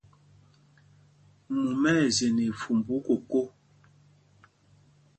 Mumá ɛ̂ zye nɛ ifumbú koko.